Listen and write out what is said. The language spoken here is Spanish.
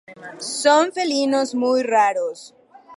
Son felinos muy raros.